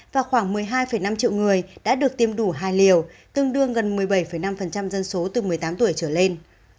và khoảng một mươi hai năm triệu người đã được tiêm đủ hài liều tương đương gần một mươi bảy năm dân số từ một mươi tám tuổi trở lên